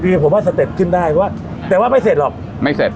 ๔ปีผมว่าสเต็ปขึ้นได้แต่ว่าไม่เสร็จหรอก